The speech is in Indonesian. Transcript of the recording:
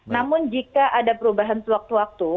namun jika ada perubahan sewaktu waktu